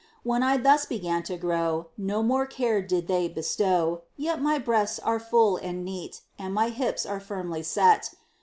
When I thus began to grow, No more care did they bestow, Yet my breasts are full and neat, And my hips are firmly set.